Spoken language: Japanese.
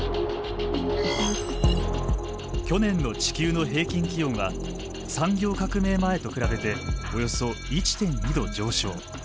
去年の地球の平均気温は産業革命前と比べておよそ１．２℃上昇。